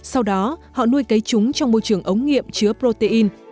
sau đó họ nuôi cấy chúng trong môi trường ống nghiệm chứa protein